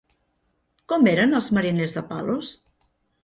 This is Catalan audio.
Com eren els mariners de Palos?